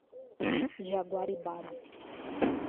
Jaguaribara